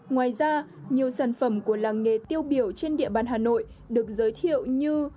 ngoài ra nhiều sản phẩm của làng nghề tiêu biểu trên địa bàn hà nội được giới thiệu như